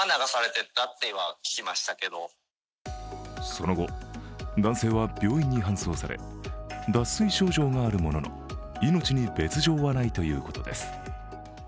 その後、男性は病院に搬送され、脱水症状があるものの、命に別状はないということです。